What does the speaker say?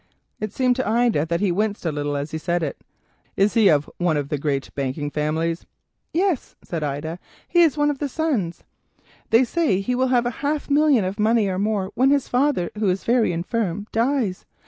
It seemed to Ida that he winced a little as he said it. "Is he one of the great banking family?" "Yes," said Ida, "he is one of the sons. They say he will have half a million of money or more when his father, who is very infirm, dies.